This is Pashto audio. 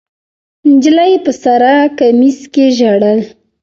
نجلۍ په سره کمیس کې ژړل.